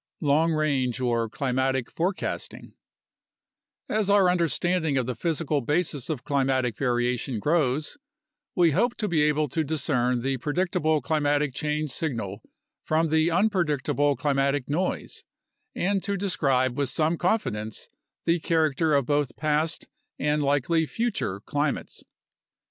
Long Range or Climatic Forecasting As our understanding of the physical basis of climatic variation grows, we hope to be able to discern the predictable climatic change signal 34 UNDERSTANDING CLIMATIC CHANGE from the unpredictable climatic noise and to describe with some con fidence the character of both past and likely future climates.